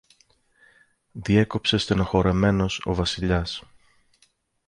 διέκοψε στενοχωρεμένος ο Βασιλιάς.